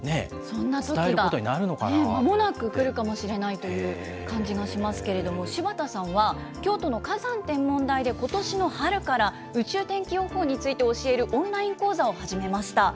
そんなときがまもなく来るかもしれないという感じがしますけれども、柴田さんは、京都の花山天文台でことしの春から、宇宙天気予報について教えるオンライン講座を始めました。